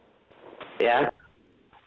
nah sebenarnya persoalannya itu ada di dalamnya